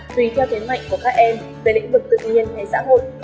tùy theo thế mạnh của các em về lĩnh vực tự nhiên hay xã hội